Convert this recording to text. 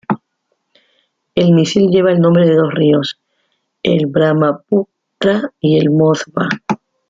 El misil lleva el nombre de dos ríos, el Brahmaputra y el Moskva.